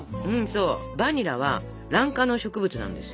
そうバニラはラン科の植物なんですよ。